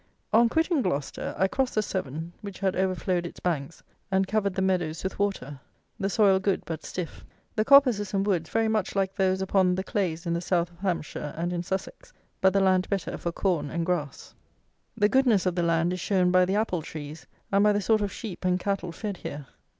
On quitting Gloucester I crossed the Severne, which had overflowed its banks and covered the meadows with water. The soil good but stiff. The coppices and woods very much like those upon the clays in the South of Hampshire and in Sussex; but the land better for corn and grass. The goodness of the land is shown by the apple trees, and by the sort of sheep and cattle fed here.